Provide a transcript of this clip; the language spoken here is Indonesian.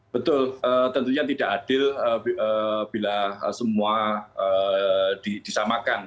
betul tentunya tidak adil bila semua disamakan